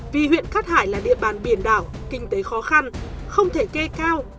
vì huyện cát hải là địa bàn biển đảo kinh tế khó khăn không thể kê cao